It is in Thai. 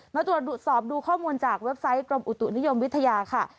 มาตรวจสอบดูข้อมูลจากเว็บไซต์กรมอุตุนิยมวิทยาค่ะ